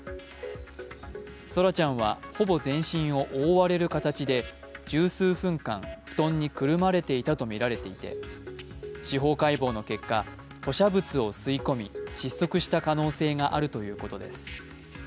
奏良ちゃんはほぼ全身を覆われる形で十数分間、布団にくるまれていたとみられていて司法解剖の結果、吐しゃ物を吸い込み、窒息した可能性があるということです。